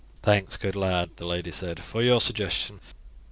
"Thanks, good lad," the lady said, "for your suggestion.